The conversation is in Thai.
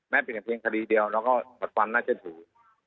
แม้เป็นแค่เพียงคดีเดียวเราก็เป็นความน่าเชื่อถูก